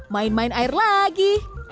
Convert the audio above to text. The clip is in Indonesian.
main main air lagi